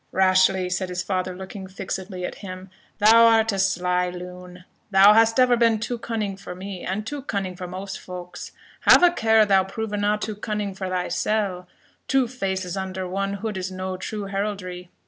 "Rashleigh," said his father, looking fixedly at him, "thou art a sly loon thou hast ever been too cunning for me, and too cunning for most folks. Have a care thou provena too cunning for thysell two faces under one hood is no true heraldry.